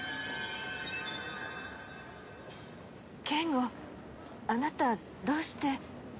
ケンゴあなたどうして。